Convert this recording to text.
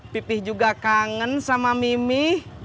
pipih juga kangen sama mimi